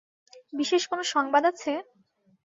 বিশেষ কোনো সংবাদ আছে?